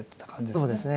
そうですね。